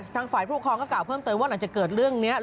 ทางฝ่ายผู้ปกครองก็กล่าวเพิ่มเติมว่าหลังจากเกิดเรื่องนี้